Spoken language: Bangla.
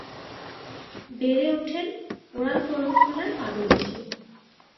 বেড়ে উঠেন ওরাল পর্বতমালার পাদদেশে।